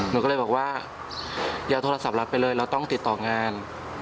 หนูก็เลยบอกว่าอย่าโทรศัพท์รับไปเลยเราต้องติดต่องาน